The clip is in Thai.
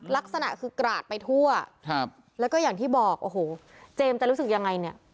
ลักษณะคือกราดไปทั่วครับแล้วก็อย่างที่บอกโอ้โหเจมส์จะรู้สึกยังไงเนี่ย